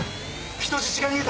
人質が逃げた。